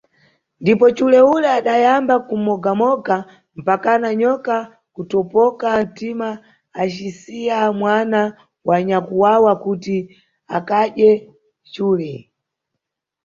Ndipo cule ule adayamba kumogamoga, mpakana nyoka kutopoka ntima acisiya mwana wa nyakwawa kuti akadye cule.